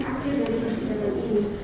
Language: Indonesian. akhir dari persidangan ini